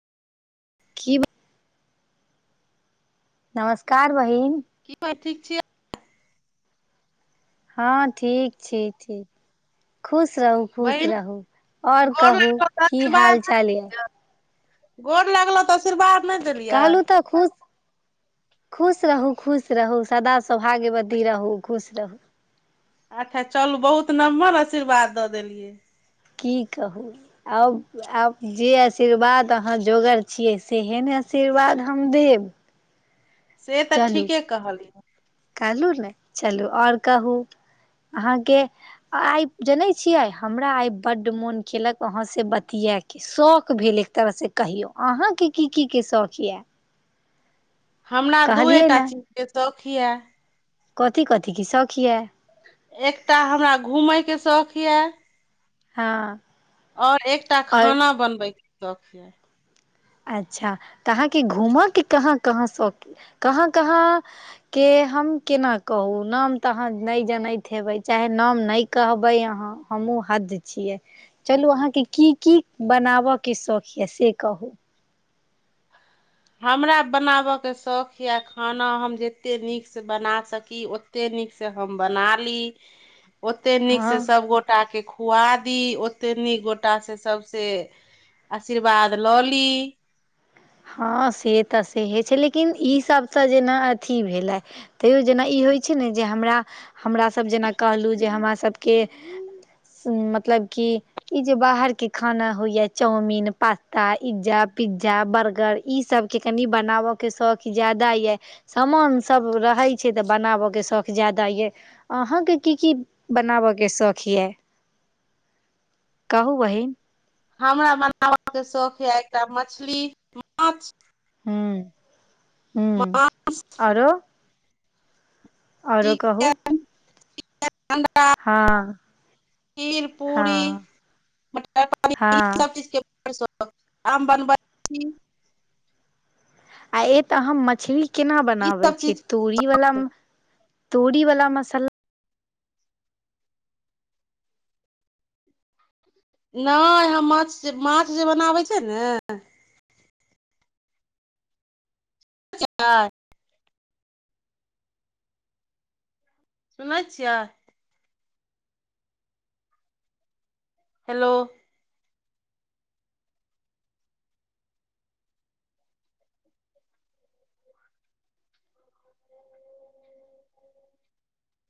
की ब [unintelligible] नमस्कार बहिन की [unintelligible] बहिन ठीक छियै हँ ठीक छी ठीक खुश रहू खुश बहिन रहू और गोर कहु लागलौ तऽ की हाल चाल ये गोड़ लागलौं तऽ शीर्वाद नहि देल कहलू तऽ खुश खुश रहू खुश रहू सदा सौभाग्यवती रहू खुश रहू अच्छा चलू बहुत नम्हर आशीर्वाद दऽ देलियै की कहू आउ आब जे आशीर्वाद अहाँ जोगर छियै सेहे ने आशीर्वाद हम देब से तऽ ठीके कहलियै कहलु ने चलू आओर कहू अहाँके आइ जनैत छियै हमरा आइ बड्ड मोन केलक अहाँसँ बतिएके शौक भेल एक तरह से कहियो अहाँ के की की के शौक ये हमरा दुए टा ने चीजके शौख ये कथी कथी की शौख ये एकटा हमरा घुमयके शौख ये हँ और एकटा आओर खाना बनबै के शौख ये अच्छा तऽ अहाँके घूमके कहाँ कहाँ शौकी कहाँ कहाँ के हम केना कहू नाम तऽ अहाँ नहि जनैत हेबै चाहे नाम नहि कहबै अहाँ हमहहुँ हद छियै चलू अहाँके की की बनाबय के शौख यऽ से कहू हमरा बनाबयके शौक यए खाना हम जतेक नीकसँ बना सकी कते नीक से हम बना ली [inaudible] [inaudible] ओते नीक हँ से सभ गोटा के खुआ दी ओते नीक गोटा से सभसँ आशीर्वाद लली हँ से तऽ सेहे छै लेकिन ईसभसँ जेना अथी भेला तै जेना ई होइ छै ने जे हमरा हमरासभ जेना कहलहुँ जे हमर सभभके मतलब कि ई जे बाहर के खाना होइ या चाउमीन पास्ता इ्जा पिज्जा बर्ग गर ई सबके कनि बनाबऽके शौक जादा अऽ सामान सभ रहै छै तऽ बनाबके शौख जादा ये अहाँके की की बनाबय के शौख यै कहू बहिन हमरा बनाबके शौख यै एकटा मछली माछ हू हू माछ ओरो और चिकन कहू हँ खीर पूरी हँ मटर पानिर ई हँ सब चीज के आ स आम बनबै छी [unintelligible] आ ए तऽ हम मछली केना ई बनाबै सब चीज छिये ओही वाला तोरी वाला मसांला नहि हम माछ माछ जे बनाबै छै ने अ [unintelligible] सुनै छियाय हेलो